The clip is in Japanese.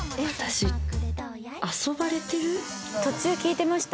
途中聞いてました？